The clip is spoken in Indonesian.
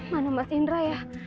mana mbak indra ya